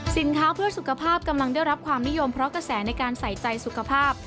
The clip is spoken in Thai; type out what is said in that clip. เพื่อสุขภาพกำลังได้รับความนิยมเพราะกระแสในการใส่ใจสุขภาพ